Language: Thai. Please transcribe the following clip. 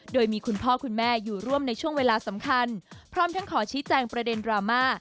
โดยมีคุณพ่อคุณแม่อยู่ร่วมในช่วงเวลาสำคัญพร้อมทั้งขอชี้แจงประเด็นดราม่า